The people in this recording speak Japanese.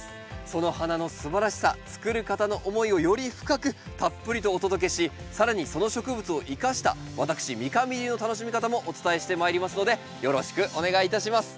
その花のすばらしさつくる方の思いをより深くたっぷりとお届けし更にその植物を生かした私三上流の楽しみ方もお伝えしてまいりますのでよろしくお願いいたします。